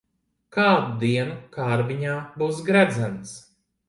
Kādu dienu kārbiņā būs gredzens.